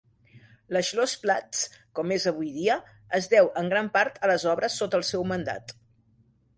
La "Schlossplatz", com és avui dia, es deu en gran part a les obres sota el seu mandat.